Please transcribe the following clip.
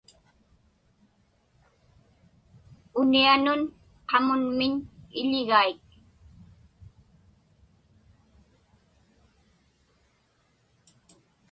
Unianun qamunmiñ iḷigaik.